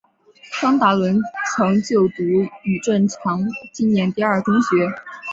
张达伦曾就读余振强纪念第二中学。